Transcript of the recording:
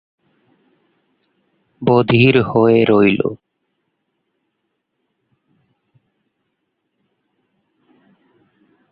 বধির হয়ে রইল।